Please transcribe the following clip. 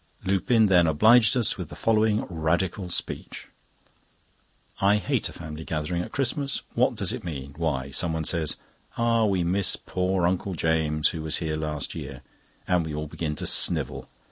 Lupin then obliged us with the following Radical speech: "I hate a family gathering at Christmas. What does it mean? Why someone says: 'Ah! we miss poor Uncle James, who was here last year,' and we all begin to snivel.